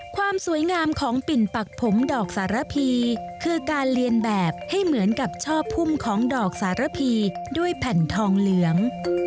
ความสวยงามของปิ่นปักผมดอกสารพีคือการเรียนแบบให้เหมือนกับชอบพุ่มของดอกสารพีด้วยแผ่นทองเหลือง